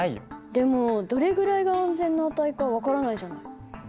でもどれぐらいが安全な値か分からないじゃない。